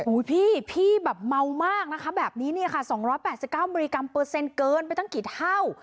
โอ้ยพี่พี่แบบเมามากนะคะแบบนี้เนี้ยค่ะสองร้อยแปดสิบเก้ามิลลิกรัมเปอร์เซ็นต์เกินไปตั้งกี่เท่า